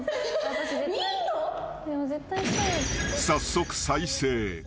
［早速再生。